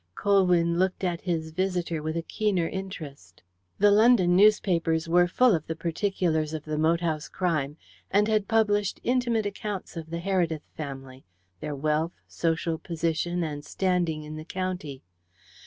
Colwyn looked at his visitor with a keener interest. The London newspapers were full of the particulars of the moat house crime, and had published intimate accounts of the Heredith family, their wealth, social position, and standing in the county.